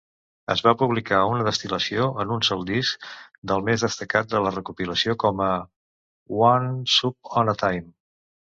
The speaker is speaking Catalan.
Es va publicar una destil·lació en un sol disc del més destacat de la recopilació com a Wonsuponatime.